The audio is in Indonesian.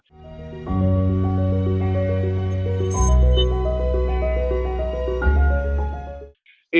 pada bulan juli dua ribu dua puluh satu